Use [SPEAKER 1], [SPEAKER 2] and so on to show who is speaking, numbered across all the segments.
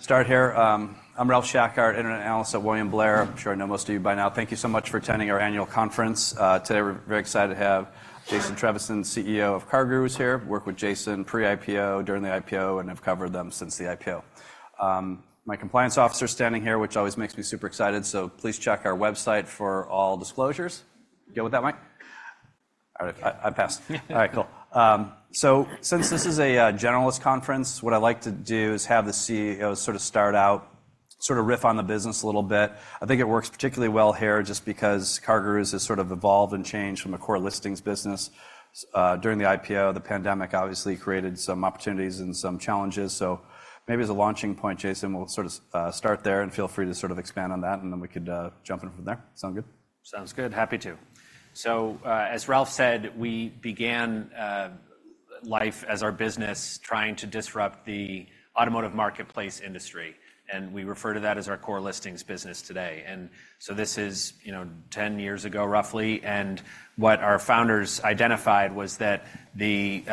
[SPEAKER 1] Time to start here. I'm Ralph Schackart, internet analyst at William Blair. I'm sure I know most of you by now. Thank you so much for attending our annual conference. Today we're very excited to have Jason Trevisan, CEO of CarGurus, here. Worked with Jason pre-IPO, during the IPO, and I've covered them since the IPO. My compliance officer is standing here, which always makes me super excited, so please check our website for all disclosures. You good with that, Mike? All right, I pass. All right, cool. So since this is a generalist conference, what I'd like to do is have the CEO sort of start out, sort of riff on the business a little bit. I think it works particularly well here, just because CarGurus has sort of evolved and changed from a core listings business. During the IPO, the pandemic obviously created some opportunities and some challenges. So maybe as a launching point, Jason, we'll sort of start there, and feel free to sort of expand on that, and then we could jump in from there. Sound good?
[SPEAKER 2] Sounds good. Happy to. So, as Ralph said, we began life as our business trying to disrupt the automotive marketplace industry, and we refer to that as our core listings business today. And so this is, you know, 10 years ago, roughly, and what our founders identified was that the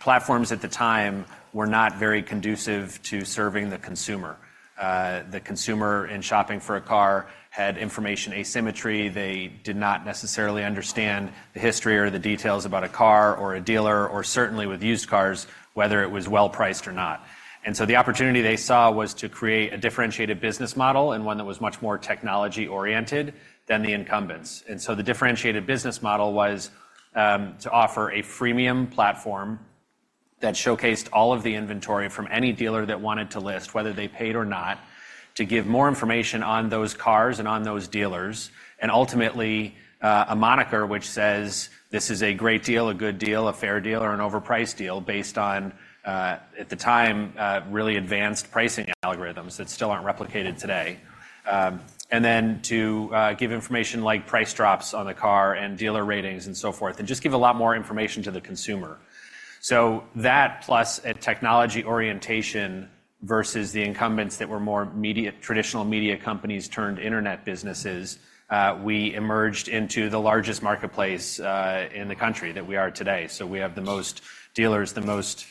[SPEAKER 2] platforms at the time were not very conducive to serving the consumer. The consumer, in shopping for a car, had information asymmetry. They did not necessarily understand the history or the details about a car or a dealer, or certainly with used cars, whether it was well-priced or not. And so, the opportunity they saw was to create a differentiated business model, and one that was much more technology-oriented than the incumbents. The differentiated business model was to offer a freemium platform that showcased all of the inventory from any dealer that wanted to list, whether they paid or not, to give more information on those cars and on those dealers, and ultimately, a moniker which says, "This is a great deal, a good deal, a fair deal, or an overpriced deal," based on, at the time, really advanced pricing algorithms that still aren't replicated today. And then to give information like price drops on the car and dealer ratings and so forth, and just give a lot more information to the consumer. So that, plus a technology orientation versus the incumbents that were more media, traditional media companies turned internet businesses, we emerged into the largest marketplace in the country that we are today. So we have the most dealers, the most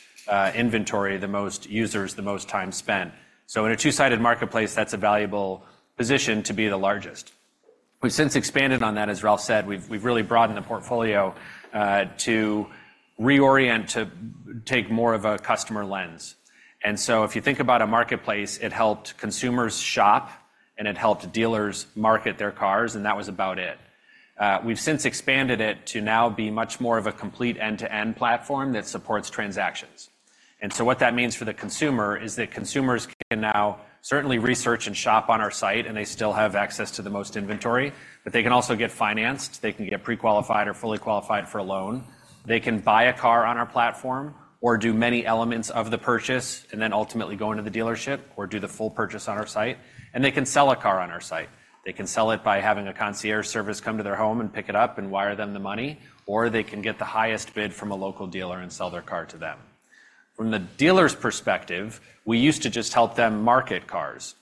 [SPEAKER 2] inventory, the most users, the most time spent. So in a two-sided marketplace, that's a valuable position to be the largest. We've since expanded on that. As Ralph said, we've really broadened the portfolio to reorient, to take more of a customer lens. And so if you think about a marketplace, it helped consumers shop, and it helped dealers market their cars, and that was about it. We've since expanded it to now be much more of a complete end-to-end platform that supports transactions. And so what that means for the consumer is that consumers can now certainly research and shop on our site, and they still have access to the most inventory, but they can also get financed. They can get pre-qualified or fully qualified for a loan. They can buy a car on our platform or do many elements of the purchase, and then ultimately go into the dealership or do the full purchase on our site, and they can sell a car on our site. They can sell it by having a concierge service come to their home and pick it up and wire them the money, or they can get the highest bid from a local dealer and sell their car to them. From the dealer's perspective, we used to just help them market cars.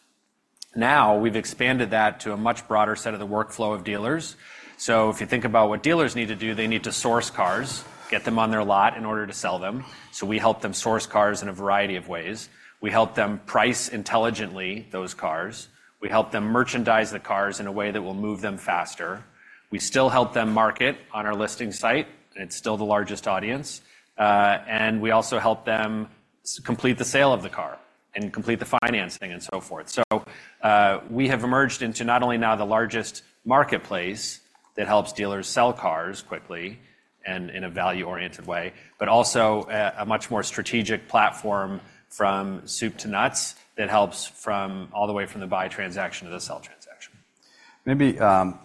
[SPEAKER 2] Now, we've expanded that to a much broader set of the workflow of dealers. So if you think about what dealers need to do, they need to source cars, get them on their lot in order to sell them. So we help them source cars in a variety of ways. We help them price intelligently those cars. We help them merchandise the cars in a way that will move them faster. We still help them market on our listing site, and it's still the largest audience. And we also help them complete the sale of the car and complete the financing and so forth. So, we have emerged into not only now the largest marketplace that helps dealers sell cars quickly and in a value-oriented way, but also a much more strategic platform from soup to nuts that helps from all the way from the buy transaction to the sell transaction.
[SPEAKER 1] Maybe,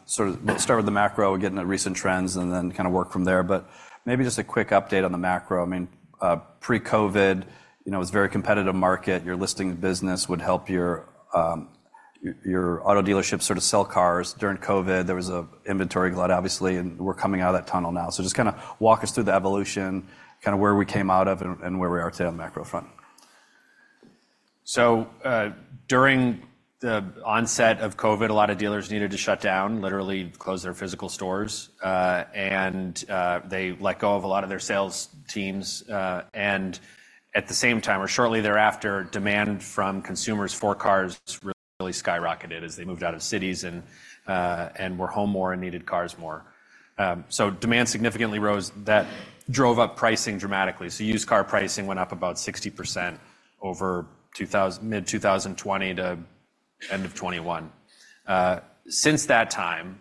[SPEAKER 1] sort of start with the macro, get into recent trends, and then kind of work from there. But maybe just a quick update on the macro. I mean, pre-COVID, you know, it was a very competitive market. Your listing business would help your, your auto dealership sort of sell cars. During COVID, there was an inventory glut, obviously, and we're coming out of that tunnel now. So just kind of walk us through the evolution, kind of where we came out of and where we are today on the macro front.
[SPEAKER 2] So, during the onset of COVID, a lot of dealers needed to shut down, literally close their physical stores, and they let go of a lot of their sales teams. And at the same time, or shortly thereafter, demand from consumers for cars really skyrocketed as they moved out of cities and were home more and needed cars more. So demand significantly rose. That drove up pricing dramatically. So used car pricing went up about 60% over mid-2020 to end of 2021. Since that time,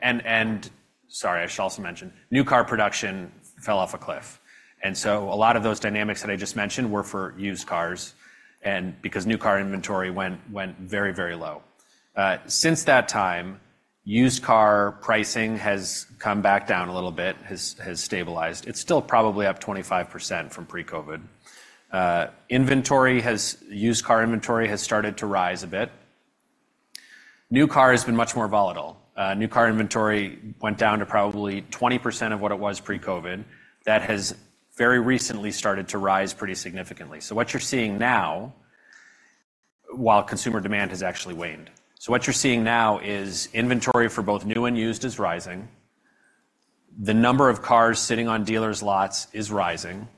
[SPEAKER 2] and sorry, I should also mention, new car production fell off a cliff. And so a lot of those dynamics that I just mentioned were for used cars, and because new car inventory went very, very low. Since that time, used car pricing has come back down a little bit, has stabilized. It's still probably up 25% from pre-COVID. Inventory has used car inventory has started to rise a bit. New car has been much more volatile. New car inventory went down to probably 20% of what it was pre-COVID. That has very recently started to rise pretty significantly. So what you're seeing now, while consumer demand has actually waned. So what you're seeing now is inventory for both new and used is rising. The number of cars sitting on dealers' lots is rising.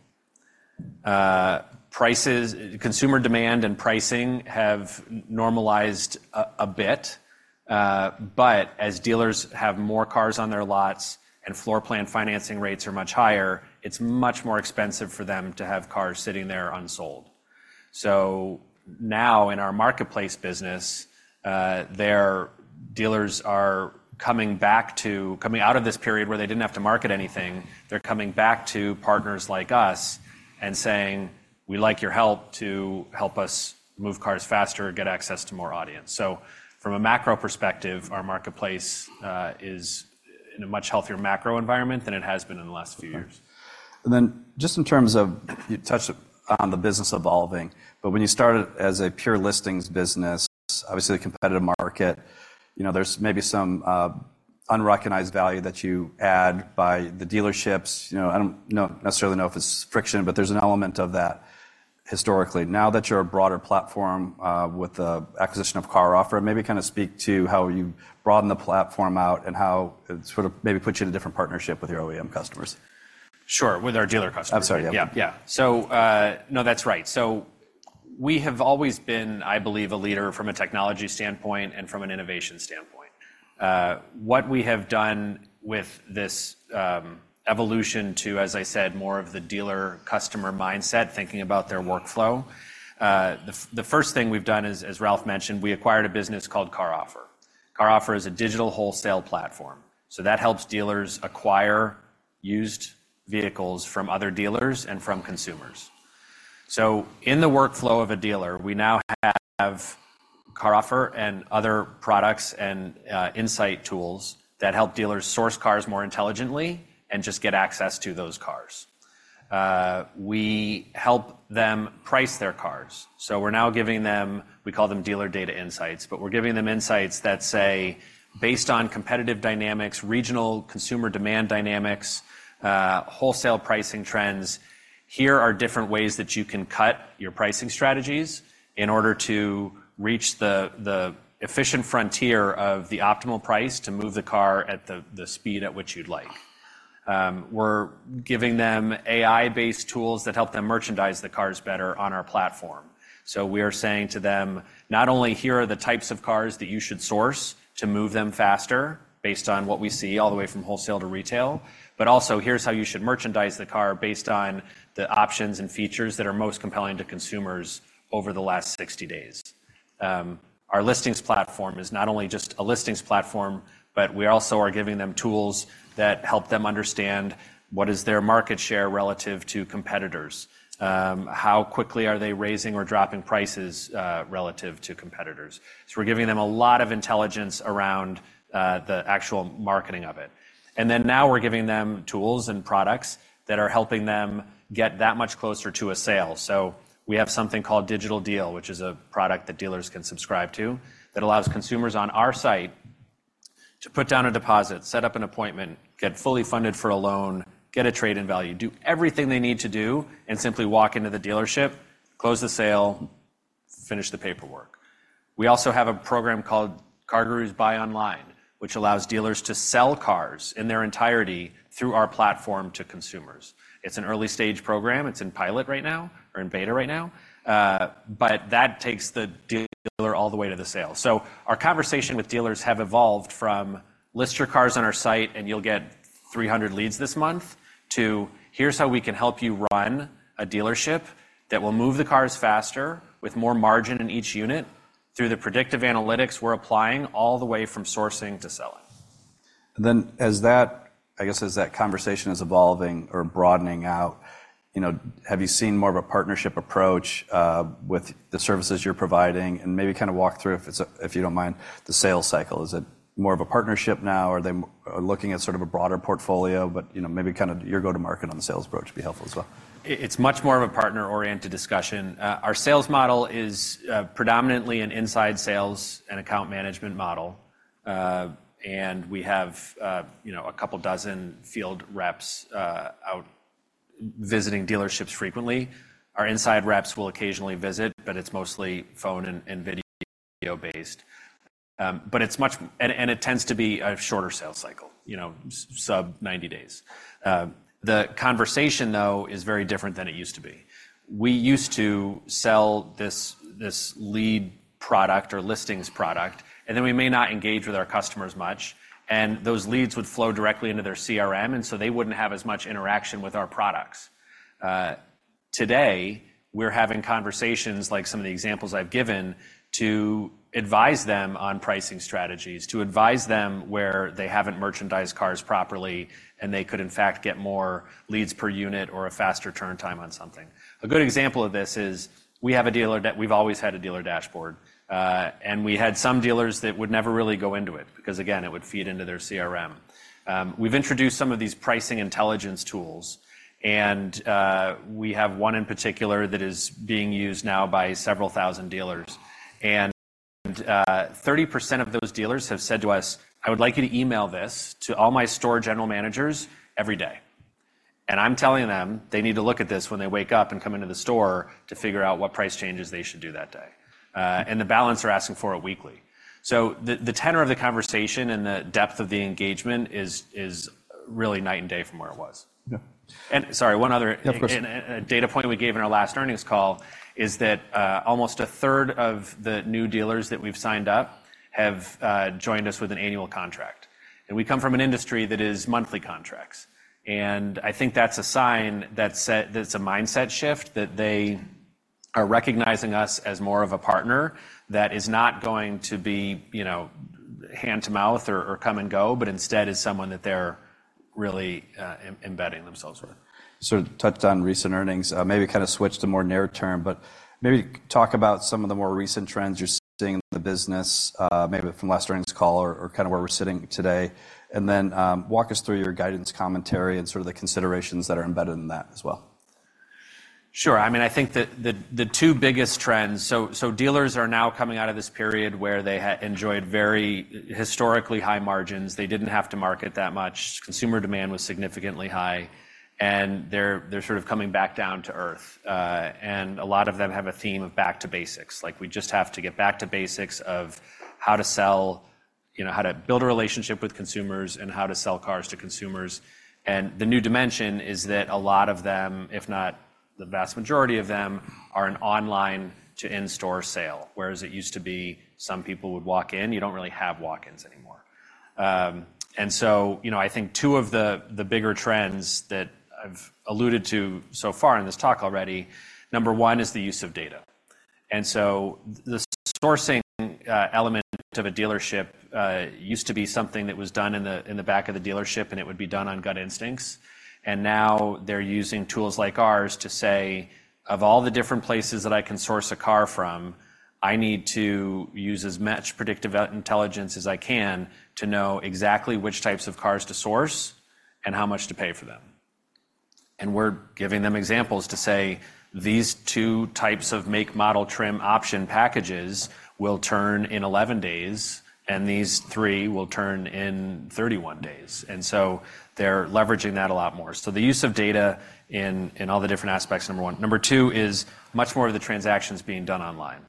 [SPEAKER 2] Prices, consumer demand and pricing have normalized a bit, but as dealers have more cars on their lots and floorplan financing rates are much higher, it's much more expensive for them to have cars sitting there unsold. So now, in our marketplace business, their dealers are coming out of this period where they didn't have to market anything. They're coming back to partners like us and saying, "We'd like your help to help us move cars faster and get access to more audience." So from a macro perspective, our marketplace is in a much healthier macro environment than it has been in the last few years.
[SPEAKER 1] And then just in terms of, you touched on the business evolving, but when you started as a pure listings business, obviously a competitive market, you know, there's maybe some unrecognized value that you add by the dealerships. You know, I don't necessarily know if it's friction, but there's an element of that historically. Now that you're a broader platform, with the acquisition of CarOffer, maybe kind of speak to how you broaden the platform out and how it sort of maybe puts you in a different partnership with your OEM customers.
[SPEAKER 2] Sure, with our dealer customers.
[SPEAKER 1] I'm sorry, yeah.
[SPEAKER 2] Yeah, yeah. So, no, that's right. So we have always been, I believe, a leader from a technology standpoint and from an innovation standpoint. What we have done with this evolution to, as I said, more of the dealer-customer mindset, thinking about their workflow. The first thing we've done is, as Ralph mentioned, we acquired a business called CarOffer. CarOffer is a digital wholesale platform, so that helps dealers acquire used vehicles from other dealers and from consumers. So in the workflow of a dealer, we now have CarOffer and other products and, insight tools that help dealers source cars more intelligently and just get access to those cars. We help them price their cars. So we're now giving them, we call them Dealer Data Insights, but we're giving them insights that say, based on competitive dynamics, regional consumer demand dynamics, wholesale pricing trends, here are different ways that you can cut your pricing strategies in order to reach the, the efficient frontier of the optimal price to move the car at the, the speed at which you'd like. We're giving them AI-based tools that help them merchandise the cars better on our platform. So we are saying to them, "Not only here are the types of cars that you should source to move them faster, based on what we see all the way from wholesale to retail, but also, here's how you should merchandise the car based on the options and features that are most compelling to consumers over the last 60 days." Our listings platform is not only just a listings platform, but we also are giving them tools that help them understand what is their market share relative to competitors, how quickly are they raising or dropping prices, relative to competitors. So we're giving them a lot of intelligence around the actual marketing of it. And then now we're giving them tools and products that are helping them get that much closer to a sale. So we have something called Digital Deal, which is a product that dealers can subscribe to, that allows consumers on our site to put down a deposit, set up an appointment, get fully funded for a loan, get a trade-in value, do everything they need to do, and simply walk into the dealership, close the sale, finish the paperwork. We also have a program called CarGurus Buy Online, which allows dealers to sell cars in their entirety through our platform to consumers. It's an early-stage program. It's in pilot right now, or in beta right now. But that takes the dealer all the way to the sale. So our conversation with dealers have evolved from, "List your cars on our site, and you'll get 300 leads this month," to, "Here's how we can help you run a dealership that will move the cars faster with more margin in each unit through the predictive analytics we're applying all the way from sourcing to selling.
[SPEAKER 1] Then, as that conversation is evolving or broadening out, you know, have you seen more of a partnership approach with the services you're providing? And maybe kind of walk through, if you don't mind, the sales cycle. Is it more of a partnership now, or are they looking at sort of a broader portfolio, but, you know, maybe kind of your go-to-market on the sales approach would be helpful as well.
[SPEAKER 2] It's much more of a partner-oriented discussion. Our sales model is predominantly an inside sales and account management model. We have, you know, a couple dozen field reps out visiting dealerships frequently. Our inside reps will occasionally visit, but it's mostly phone and video-based. But it tends to be a shorter sales cycle, you know, sub 90 days. The conversation, though, is very different than it used to be. We used to sell this lead product or listings product, and then we may not engage with our customers much, and those leads would flow directly into their CRM, and so they wouldn't have as much interaction with our products. Today, we're having conversations, like some of the examples I've given, to advise them on pricing strategies, to advise them where they haven't merchandised cars properly, and they could, in fact, get more leads per unit or a faster turn time on something. A good example of this is, we have a Dealer Dashboard, and we had some dealers that would never really go into it because, again, it would feed into their CRM. We've introduced some of these pricing intelligence tools, and we have one in particular that is being used now by several thousand dealers. And 30% of those dealers have said to us, "I would like you to email this to all my store general managers every day."... I'm telling them they need to look at this when they wake up and come into the store to figure out what price changes they should do that day. And the balance are asking for it weekly. So the tenor of the conversation and the depth of the engagement is really night and day from where it was.
[SPEAKER 1] Yeah.
[SPEAKER 2] Sorry, one other-
[SPEAKER 1] Yeah, of course.
[SPEAKER 2] A data point we gave in our last earnings call is that almost 1/3 of the new dealers that we've signed up have joined us with an annual contract. And we come from an industry that is monthly contracts, and I think that's a sign that it's a mindset shift, that they are recognizing us as more of a partner that is not going to be, you know, hand-to-mouth or come and go, but instead is someone that they're really embedding themselves with.
[SPEAKER 1] So you touched on recent earnings. Maybe kind of switch to more near term, but maybe talk about some of the more recent trends you're seeing in the business, maybe from last earnings call or kind of where we're sitting today. And then, walk us through your guidance commentary and sort of the considerations that are embedded in that as well.
[SPEAKER 2] Sure. I mean, I think that the two biggest trends. Dealers are now coming out of this period where they enjoyed very historically high margins. They didn't have to market that much. Consumer demand was significantly high, and they're sort of coming back down to earth. And a lot of them have a theme of back to basics. Like, we just have to get back to basics of how to sell, you know, how to build a relationship with consumers and how to sell cars to consumers. And the new dimension is that a lot of them, if not the vast majority of them, are an online to in-store sale, whereas it used to be some people would walk in. You don't really have walk-ins anymore. And so, you know, I think two of the bigger trends that I've alluded to so far in this talk already, number one is the use of data. And so the sourcing element of a dealership used to be something that was done in the back of the dealership, and it would be done on gut instincts. And now they're using tools like ours to say, "Of all the different places that I can source a car from, I need to use as much predictive intelligence as I can to know exactly which types of cars to source and how much to pay for them." And we're giving them examples to say, "These two types of make, model, trim, option packages will turn in 11 days, and these three will turn in 31 days." And so they're leveraging that a lot more. So the use of data in all the different aspects, number one. Number two is much more of the transactions being done online.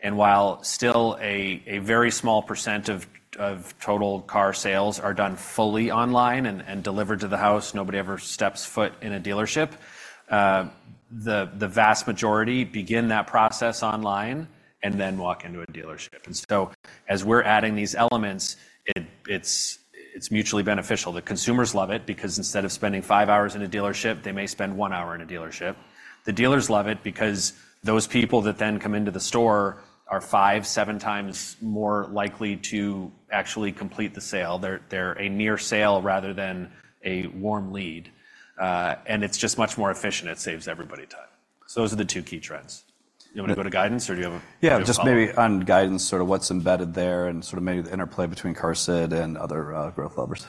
[SPEAKER 2] And while still a very small percent of total car sales are done fully online and delivered to the house, nobody ever steps foot in a dealership, the vast majority begin that process online and then walk into a dealership. And so, as we're adding these elements, it's mutually beneficial. The consumers love it, because instead of spending five hours in a dealership, they may spend one hour in a dealership. The dealers love it, because those people that then come into the store are 5, 7x more likely to actually complete the sale. They're a near sale rather than a warm lead. And it's just much more efficient. It saves everybody time. Those are the two key trends. You want me to go to guidance, or do you have a follow up?
[SPEAKER 1] Yeah, just maybe on guidance, sort of what's embedded there and sort of maybe the interplay between QARSD and other growth levers.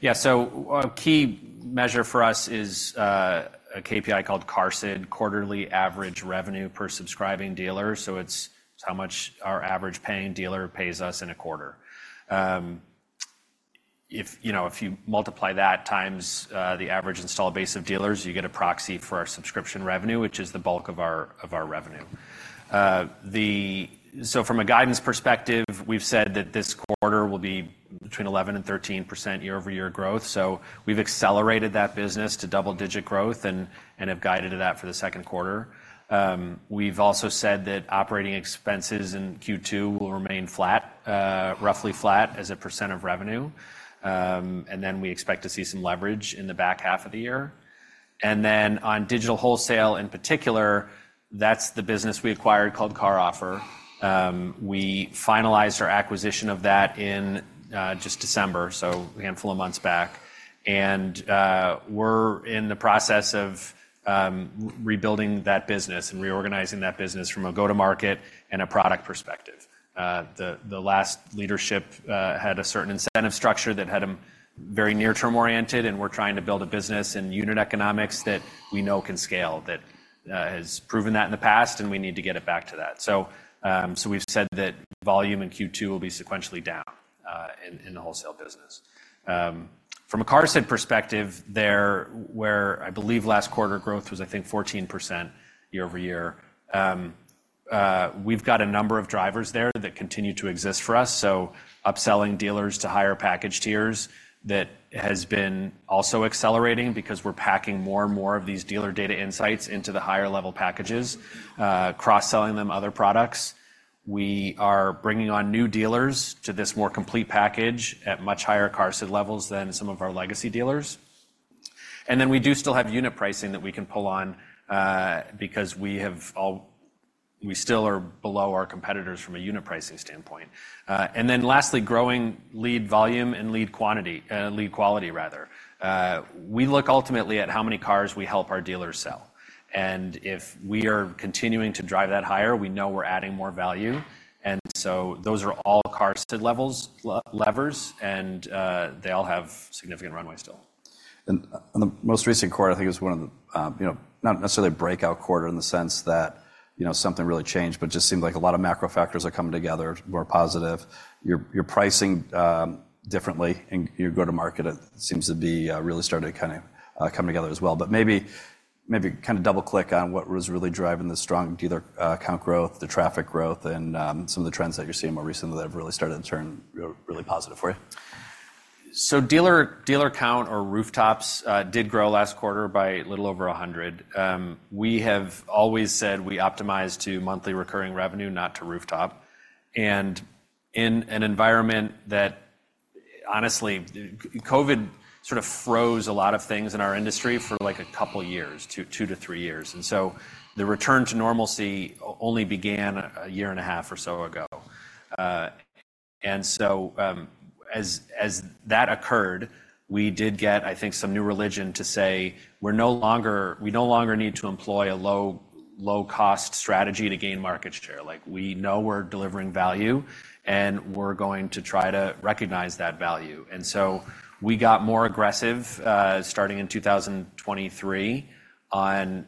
[SPEAKER 2] Yeah, so a key measure for us is a KPI called QARSD, quarterly average revenue per subscribing dealer. So it's, it's how much our average paying dealer pays us in a quarter. If, you know, if you multiply that times the average installed base of dealers, you get a proxy for our subscription revenue, which is the bulk of our revenue. So from a guidance perspective, we've said that this quarter will be between 11% and 13% year-over-year growth, so we've accelerated that business to double-digit growth and have guided to that for the second quarter. We've also said that operating expenses in Q2 will remain flat, roughly flat as a percent of revenue. And then we expect to see some leverage in the back half of the year. And then on digital wholesale, in particular, that's the business we acquired called CarOffer. We finalized our acquisition of that in just December, so a handful of months back. We're in the process of rebuilding that business and reorganizing that business from a go-to-market and a product perspective. The last leadership had a certain incentive structure that had them very near term oriented, and we're trying to build a business and unit economics that we know can scale, that has proven that in the past, and we need to get it back to that. So we've said that volume in Q2 will be sequentially down in the wholesale business. From a QARSD perspective, there, where I believe last quarter growth was, I think, 14% year-over-year. We've got a number of drivers there that continue to exist for us, so upselling dealers to higher package tiers, that has been also accelerating because we're packing more and more of these Dealer Data insights into the higher level packages, cross-selling them other products. We are bringing on new dealers to this more complete package at much higher QARSD levels than some of our legacy dealers. And then we do still have unit pricing that we can pull on, because we still are below our competitors from a unit pricing standpoint. And then lastly, growing lead volume and lead quantity, lead quality rather. We look ultimately at how many cars we help our dealers sell, and if we are continuing to drive that higher, we know we're adding more value. And so those are all QARSD levels, levers, and they all have significant runway still.
[SPEAKER 1] And on the most recent quarter, I think it was one of the, you know, not necessarily a breakout quarter in the sense that you know, something really changed, but just seemed like a lot of macro factors are coming together, more positive. Your pricing differently, and your go-to-market, it seems to be really starting to kinda come together as well. But maybe kind of double-click on what was really driving the strong dealer count growth, the traffic growth, and some of the trends that you're seeing more recently that have really started to turn really positive for you.
[SPEAKER 2] So dealer, dealer count or rooftops did grow last quarter by a little over 100. We have always said we optimize to monthly recurring revenue, not to rooftop. In an environment that honestly, COVID sort of froze a lot of things in our industry for, like, a couple years, 2-3 years. The return to normalcy only began a year and a half or so ago. As that occurred, we did get, I think, some new religion to say, "We no longer need to employ a low-cost strategy to gain market share. Like, we know we're delivering value, and we're going to try to recognize that value." We got more aggressive starting in 2023 on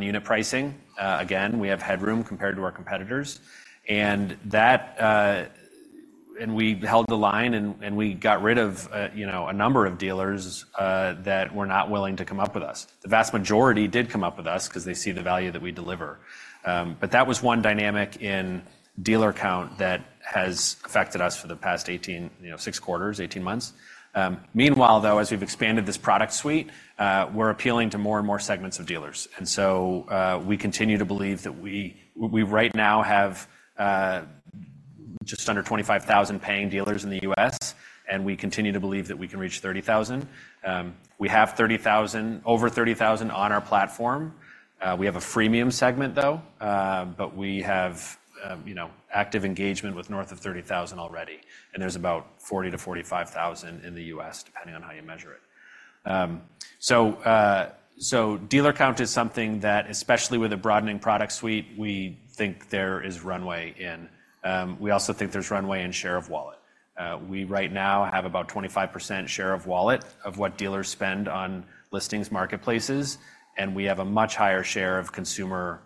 [SPEAKER 2] unit pricing. Again, we have headroom compared to our competitors. And that... And we held the line, and we got rid of, you know, a number of dealers that were not willing to come up with us. The vast majority did come up with us 'cause they see the value that we deliver. But that was one dynamic in dealer count that has affected us for the past 18, you know, 6 quarters, 18 months. Meanwhile, though, as we've expanded this product suite, we're appealing to more and more segments of dealers. And so, we continue to believe that we—we right now have just under 25,000 paying dealers in the U.S., and we continue to believe that we can reach 30,000. We have 30,000, over 30,000 on our platform. We have a freemium segment, though, but we have, you know, active engagement with north of 30,000 already, and there's about 40,000-45,000 in the U.S., depending on how you measure it. So, dealer count is something that, especially with a broadening product suite, we think there is runway in. We also think there's runway in share of wallet. We right now have about 25% share of wallet of what dealers spend on listings, marketplaces, and we have a much higher share of consumer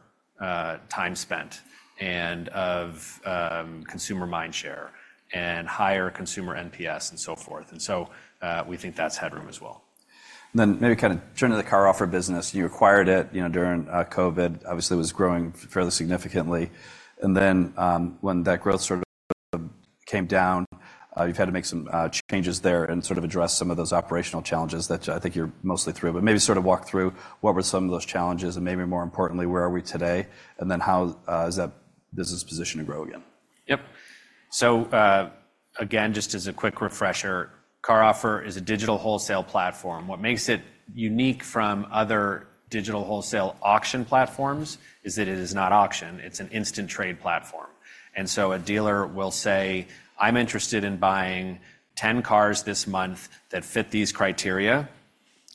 [SPEAKER 2] time spent, and of consumer mind share, and higher consumer NPS, and so forth. And so, we think that's headroom as well.
[SPEAKER 1] And then maybe kind of turn to the CarOffer business. You acquired it, you know, during COVID. Obviously, it was growing fairly significantly. And then when that growth sort of came down, you've had to make some changes there and sort of address some of those operational challenges that I think you're mostly through. But maybe sort of walk through what were some of those challenges, and maybe more importantly, where are we today, and then how is that business positioned to grow again?
[SPEAKER 2] Yep. So, again, just as a quick refresher, CarOffer is a digital wholesale platform. What makes it unique from other digital wholesale auction platforms is that it is not auction, it's an instant trade platform. And so a dealer will say, "I'm interested in buying 10 cars this month that fit these criteria.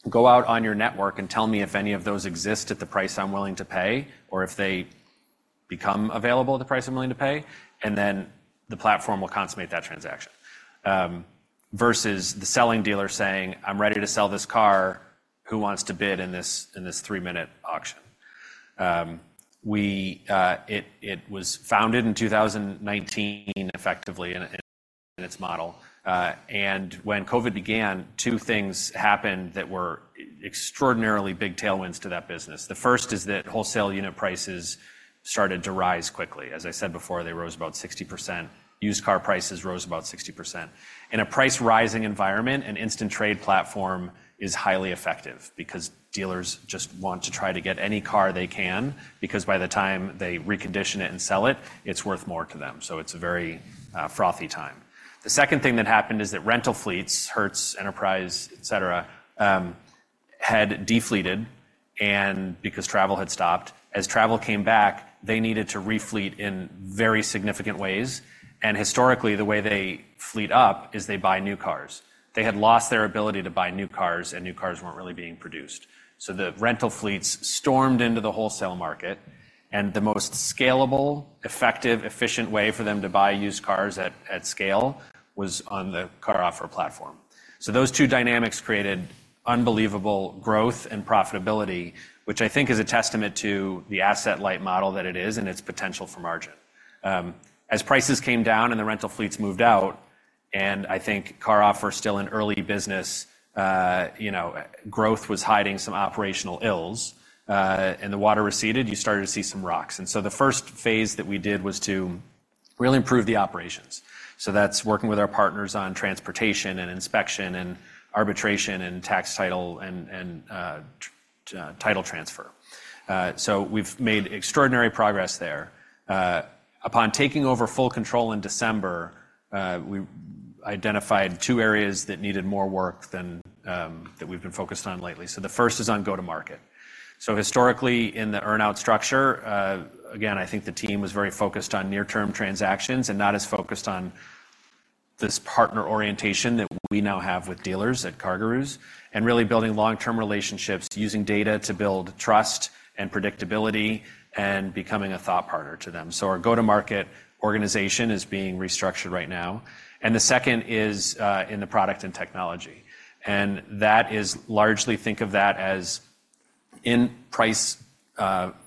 [SPEAKER 2] Go out on your network and tell me if any of those exist at the price I'm willing to pay, or if they become available at the price I'm willing to pay," and then the platform will consummate that transaction. Versus the selling dealer saying, "I'm ready to sell this car. Who wants to bid in this 3-minute auction?" It was founded in 2019, effectively, in its model. And when COVID began, two things happened that were extraordinarily big tailwinds to that business. The first is that wholesale unit prices started to rise quickly. As I said before, they rose about 60%. Used car prices rose about 60%. In a price-rising environment, an instant trade platform is highly effective because dealers just want to try to get any car they can, because by the time they recondition it and sell it, it's worth more to them, so it's a very, frothy time. The second thing that happened is that rental fleets, Hertz, Enterprise, et cetera, had defleeted, and because travel had stopped. As travel came back, they needed to refleet in very significant ways, and historically, the way they fleet up is they buy new cars. They had lost their ability to buy new cars, and new cars weren't really being produced. So the rental fleets stormed into the wholesale market, and the most scalable, effective, efficient way for them to buy used cars at scale was on the CarOffer platform. So those two dynamics created unbelievable growth and profitability, which I think is a testament to the asset-light model that it is and its potential for margin. As prices came down and the rental fleets moved out, and I think CarOffer, still in early business, you know, growth was hiding some operational ills, and the water receded, you started to see some rocks. And so the first phase that we did was to really improve the operations. So that's working with our partners on transportation, and inspection, and arbitration, and tax title, and title transfer. So we've made extraordinary progress there. Upon taking over full control in December, we identified two areas that needed more work than that we've been focused on lately. So the first is on go-to-market. So historically, in the earn-out structure, again, I think the team was very focused on near-term transactions and not as focused on this partner orientation that we now have with dealers at CarGurus, and really building long-term relationships, using data to build trust and predictability, and becoming a thought partner to them. So our go-to-market organization is being restructured right now, and the second is in the product and technology. And that is largely, think of that as... in price,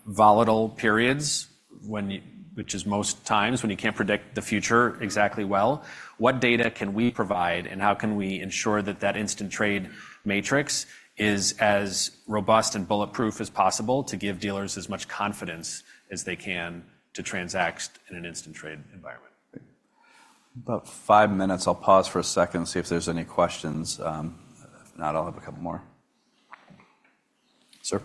[SPEAKER 2] volatile periods when you, which is most times when you can't predict the future exactly well, what data can we provide, and how can we ensure that that instant trade matrix is as robust and bulletproof as possible to give dealers as much confidence as they can to transact in an instant trade environment?
[SPEAKER 1] About five minutes. I'll pause for a second, see if there's any questions. If not, I'll have a couple more. Sir?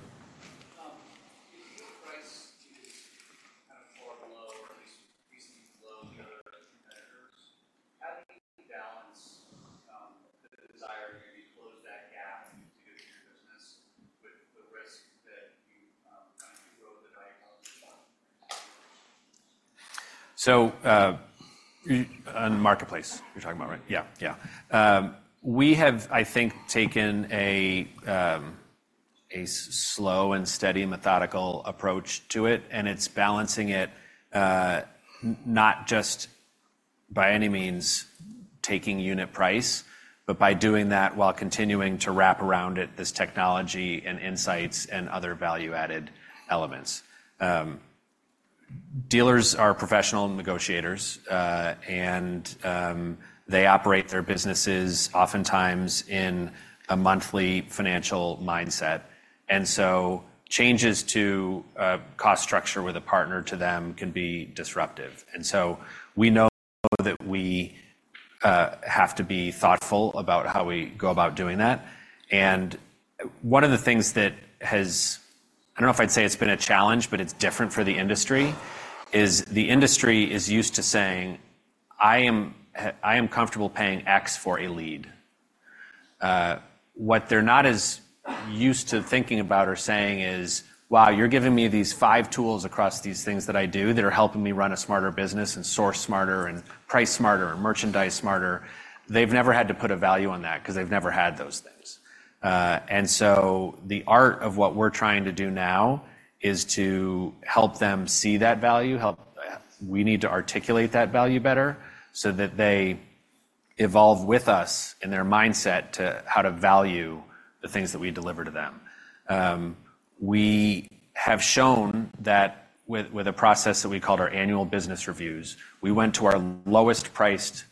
[SPEAKER 3] The price is kind of below or at least recently below the other competitors. How do you balance the desire to close that gap to your business with the risk that you kind of grow the value?
[SPEAKER 2] So, on marketplace you're talking about, right? Yeah, yeah. We have, I think, taken a slow and steady, methodical approach to it, and it's balancing it, not just by any means taking unit price, but by doing that while continuing to wrap around it, this technology and insights and other value-added elements. Dealers are professional negotiators, and they operate their businesses oftentimes in a monthly financial mindset, and so changes to cost structure with a partner to them can be disruptive. And so we know that we have to be thoughtful about how we go about doing that. And one of the things that has... I don't know if I'd say it's been a challenge, but it's different for the industry, is the industry is used to saying, "I am, I am comfortable paying X for a lead." What they're not as used to thinking about or saying is, "Wow, you're giving me these five tools across these things that I do that are helping me run a smarter business and source smarter and price smarter, and merchandise smarter." They've never had to put a value on that 'cause they've never had those things. And so the art of what we're trying to do now is to help them see that value. We need to articulate that value better so that they evolve with us in their mindset to how to value the things that we deliver to them. We have shown that with, with a process that we called our annual business reviews, we went to our lowest priced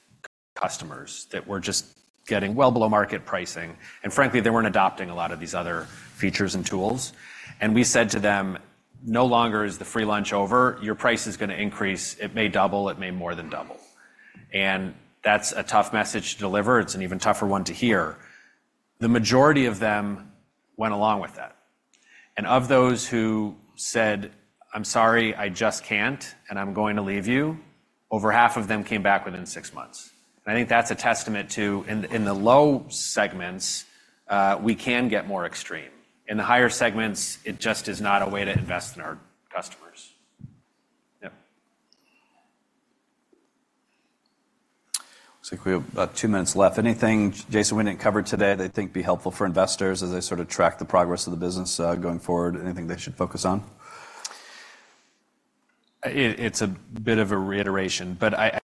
[SPEAKER 2] customers that were just getting well below market pricing, and frankly, they weren't adopting a lot of these other features and tools. And we said to them, "No longer is the free lunch over, your price is going to increase. It may double, it may more than double." And that's a tough message to deliver. It's an even tougher one to hear. The majority of them went along with that, and of those who said, "I'm sorry, I just can't, and I'm going to leave you," over half of them came back within six months. And I think that's a testament to in, in the low segments, we can get more extreme. In the higher segments, it just is not a way to invest in our customers. Yep.
[SPEAKER 1] Looks like we have about two minutes left. Anything, Jason, we didn't cover today that you think be helpful for investors as they sort of track the progress of the business, going forward? Anything they should focus on?
[SPEAKER 2] It's a bit of a reiteration, but I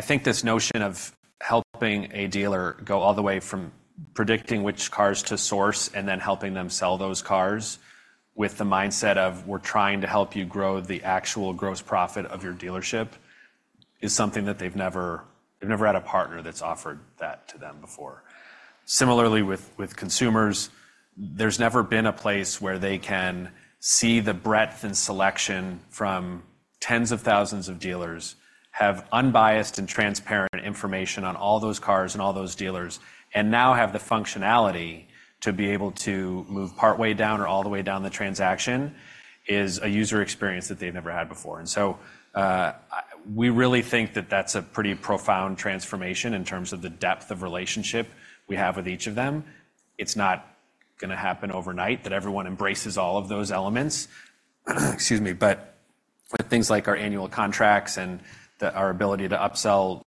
[SPEAKER 2] think this notion of helping a dealer go all the way from predicting which cars to source and then helping them sell those cars with the mindset of we're trying to help you grow the actual gross profit of your dealership, is something that they've never had a partner that's offered that to them before. Similarly, with consumers, there's never been a place where they can see the breadth and selection from tens of thousands of dealers, have unbiased and transparent information on all those cars and all those dealers, and now have the functionality to be able to move partway down or all the way down the transaction, is a user experience that they've never had before. And so, we really think that that's a pretty profound transformation in terms of the depth of relationship we have with each of them. It's not going to happen overnight, that everyone embraces all of those elements, excuse me, but with things like our annual contracts and the, our ability to upsell,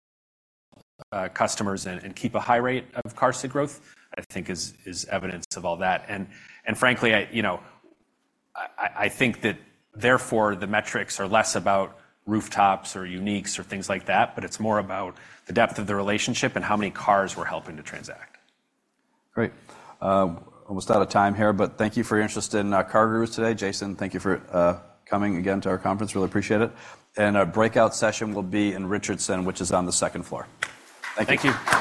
[SPEAKER 2] customers and keep a high rate of QARSD growth, I think is evidence of all that. And frankly, I, you know, I think that therefore, the metrics are less about rooftops or uniques or things like that, but it's more about the depth of the relationship and how many cars we're helping to transact.
[SPEAKER 1] Great. Almost out of time here, but thank you for your interest in CarGurus today. Jason, thank you for coming again to our conference. Really appreciate it. And our breakout session will be in Richardson, which is on the second floor. Thank you.